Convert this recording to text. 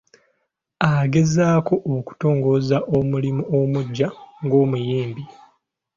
Agezaako okutongoza omulimu omuggya ng'omuyimbi.